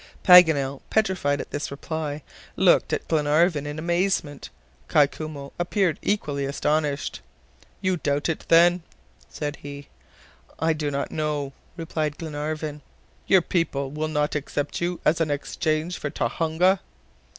Paganel, petrified at this reply, looked at Glenarvan in amazement. Kai Koumou appeared equally astonished. "You doubt it then?" said he. "I do not know," replied Glenarvan. "Your people will not accept you as an exchange for Tohonga?"